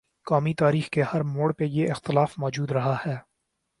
قومی تاریخ کے ہر موڑ پر یہ اختلاف مو جود رہا ہے۔